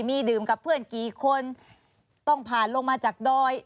มีดื่มกับเพื่อนกี่คนต้องผ่านลงมาจากดอย